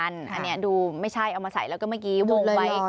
อันนี้ดูไม่ใช่เอามาใส่แล้วก็เมื่อกี้วงไว้